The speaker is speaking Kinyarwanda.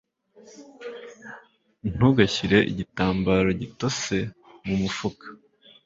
Ntugashyire igitambaro gitose mumufuka